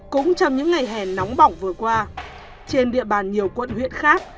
cũng trong những ngày hè nóng bỏng vừa qua trên địa bàn nhiều quận huyện khác